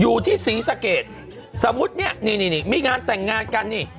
อยู่ที่ศรีสะเกดสมมุติเนี่ยนี่มีงานแต่งงานกันนี่